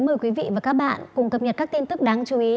mời quý vị và các bạn cùng cập nhật các tin tức đáng chú ý